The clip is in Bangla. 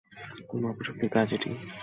কোন অপশক্তির কাজ এটা?